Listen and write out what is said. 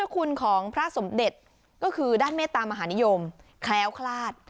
โอ้โหโอ้โหโอ้โหโอ้โหโอ้โหโอ้โห